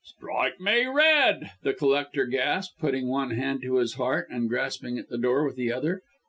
"Strike me red!" the collector gasped, putting one hand to his heart, and grasping the door with the other.